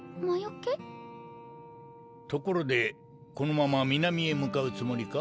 ところでこのまま南へ向かうつもりか？